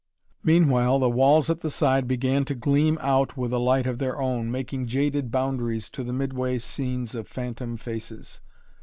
Meanwhile the walls at the side began to gleam out with a light of their own, making jaded boundaries to the midway scenes of phantom faces.